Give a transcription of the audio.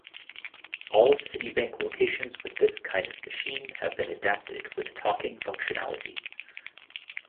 All Citibank locations with this kind of machine have been adapted with talking functionality.